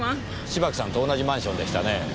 芝木さんと同じマンションでしたね。